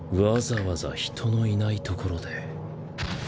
わざわざ人のいない所で。